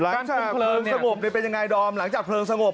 หลังจากเคริงสงบนี้เป็นยังไงดอมหลังจากเพลิงสงบ